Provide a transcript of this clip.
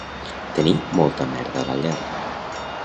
Tenir molta merda a la llar